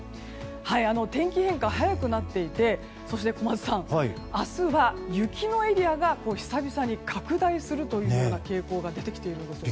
天気変化、早くなっていてそして、小松さん明日は雪のエリアが久々に拡大するという傾向が出てきているんですよね。